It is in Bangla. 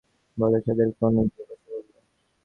বলে ছাদের কোণে গিয়ে বসে পড়ল।